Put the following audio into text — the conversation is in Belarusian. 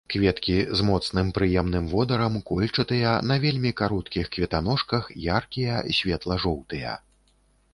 Кветкі з моцным прыемным водарам, кольчатыя, на вельмі кароткіх кветаножках, яркія, светла жоўтыя.